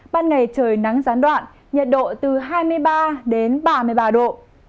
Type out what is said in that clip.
ban ngày trời nắng gián đoạn nhiệt độ từ hai mươi ba đến ba mươi ba độ